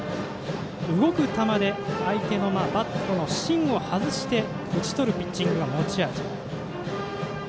動く球で相手のバットの芯を外して打ち取るピッチングが持ち味。